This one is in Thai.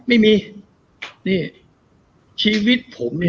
ไม่มีนี่ชีวิตผมนี่